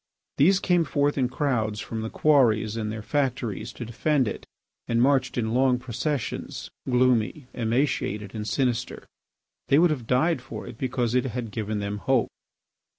These came forth in crowds from their quarries and their factories to defend it, and marched in long processions, gloomy, emaciated, and sinister. They would have died for it because it had given them hope.